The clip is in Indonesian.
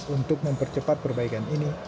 untuk mempercepat perbaikan ini